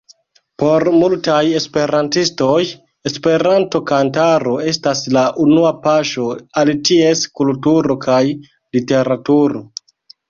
Por multaj esperantistoj Esperanto-kantaro estas la unua paŝo al ties kulturo kaj literaturo.